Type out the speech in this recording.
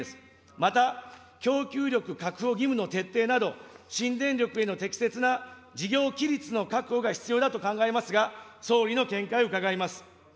また、供給力確保義務の徹底など、新電力への適切な事業規律の確保が必要だと考えますが、総理の見解を伺います。